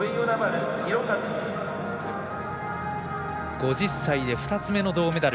５０歳で２つ目の銅メダル。